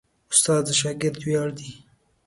استاد د شاګرد ویاړ دی.